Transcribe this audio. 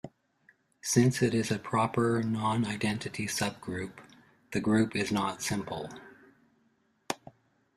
Since it is a proper, non-identity subgroup, the group is not simple.